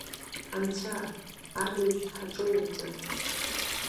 Анцәа, адажә ҳаҿоумҵан!